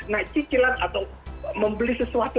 nah cicilan atau membeli sesuatu